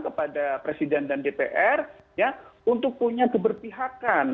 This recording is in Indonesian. kepada presiden dan dpr untuk punya keberpihakan